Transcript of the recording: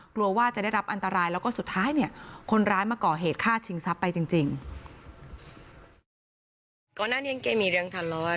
กลัวว่าจะได้รับอันตรายแล้วก็สุดท้ายเนี่ยคนร้ายมาก่อเหตุฆ่าชิงทรัพย์ไปจริง